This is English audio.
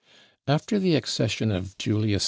After the accession of Julius II.